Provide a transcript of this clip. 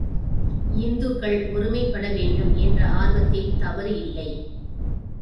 இந்துக்கள் ஒருமைப்பட வேண்டும் என்ற ஆர்வத்தில் தவறு இல்லை.